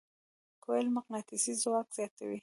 کویل مقناطیسي ځواک زیاتوي.